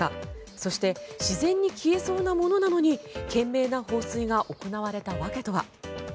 そして自然に消えそうなものなのに懸命な放水が行われた訳とは。